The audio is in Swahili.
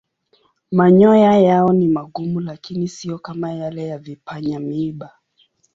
Manyoya yao ni magumu lakini siyo kama yale ya vipanya-miiba.